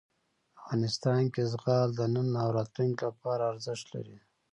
افغانستان کې زغال د نن او راتلونکي لپاره ارزښت لري.